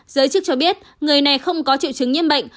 giới chức cho biết người này không có triệu chứng nhiễm bệnh